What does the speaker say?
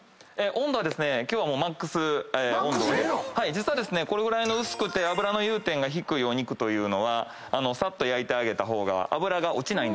実はこれぐらいの薄くて脂の融点が低いお肉というのはさっと焼いた方が脂が落ちない。